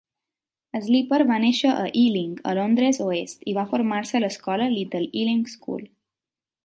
Slipper va néixer a Ealing, a Londres oest, i va formar-se a l'escola Little Ealing School.